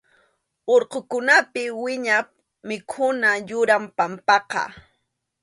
Urqukunapi wiñaq mikhuna yuram papaqa.